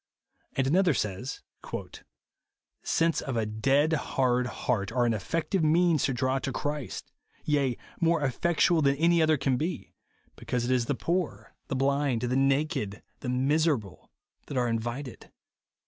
And another says, " Sense of a dead, hard heart are an effec tual means to draw to Christ ; yea, more eifectual than any other can be, because it is the poor, the blind, the naked, the miserable, that are invited."